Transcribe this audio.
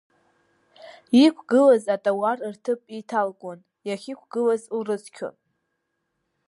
Иқәгылаз атауар рҭыԥ еиҭалкуан, иахьықәгылаз лрыцқьон.